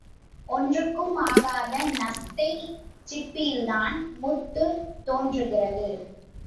ஒன்றுக்கும் ஆகாத நத்தைச் சிப்பியில்தான் முத்து தோன்றுகிறது.